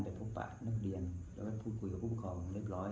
แต่พบปากนักเรียนแล้วก็พูดคุยกับผู้ปกครองเรียบร้อย